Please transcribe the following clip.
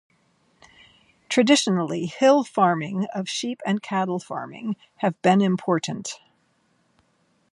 Traditionally, hill farming of sheep and cattle farming have been important.